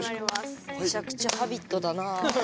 むちゃくちゃ「Ｈａｂｉｔ」だな。